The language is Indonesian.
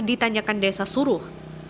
ditanyakan desa suruh